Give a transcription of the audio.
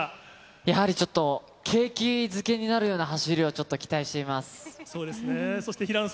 やはりちょっと景気づけになるような走りをちょっと期待しています。